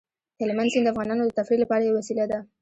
هلمند سیند د افغانانو د تفریح لپاره یوه وسیله ده.